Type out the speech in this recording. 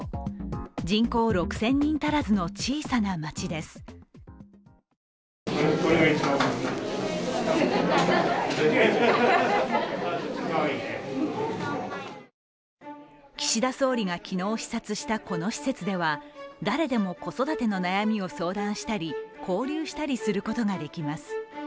人口６０００人足らずの、小さな町です岸田総理が昨日視察したこの施設では誰でも子育ての悩みを相談したり、交流したりすることができます。